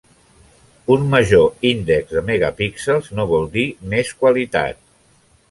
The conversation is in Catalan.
Un major índex de megapíxels no vol dir més qualitat.